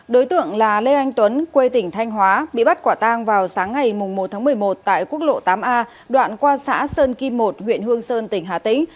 đối tượng là lê anh tuấn quê tỉnh thanh hóa bị bắt quả tang vào sáng ngày một một mươi một tại quốc lộ tám a đoạn qua xã sơn kim một huyện hương sơn tỉnh hà tĩnh